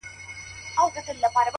• چي هر څو یې وو خپل عقل ځغلولی ,